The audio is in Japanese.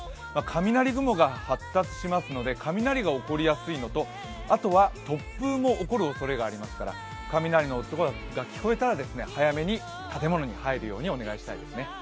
雷雲が発達しますので雷が起こりやすいのと、あとは突風も起こるおそれがありますから雷の音が聞こえたら早めに建物に入るようにお願いしたいですね。